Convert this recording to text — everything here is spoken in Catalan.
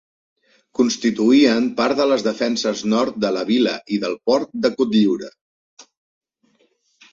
Constituïen part de les defenses nord de la vila i del port de Cotlliure.